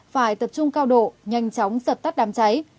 phải tập trung cao độ nhanh chóng dập tắt đám cháy